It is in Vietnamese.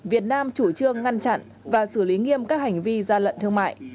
việt nam chủ trương ngăn chặn và xử lý nghiêm các hành vi gian lận thương mại